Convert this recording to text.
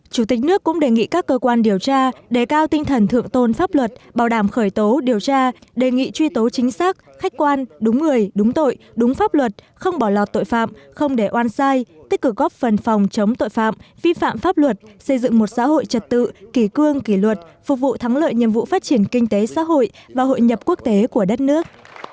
chủ tịch nước cũng đề nghị các cơ quan điều tra để cao tinh thần thượng tôn pháp luật bảo đảm khởi tố điều tra đề nghị truy tố chính xác khách quan đúng người đúng tội đúng pháp luật không bỏ lọt tội phạm không để oan sai tích cử góp phần phòng chống tội phạm vi phạm pháp luật xây dựng một xã hội trật tự kỳ cương kỳ luật phục vụ thắng lợi nhiệm vụ phát triển kinh tế xã hội và hội nhập quốc tế của đất nước